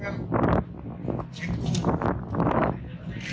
dan dilakukan oleh